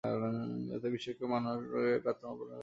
অতএব ঈশ্বরকে মানবরূপে উপাসনা করা একান্ত আবশ্যক।